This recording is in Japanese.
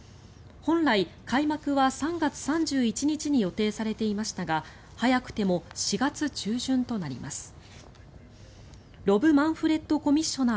本来、開幕は３月３１日に予定されていましたが早くても４月中旬となります。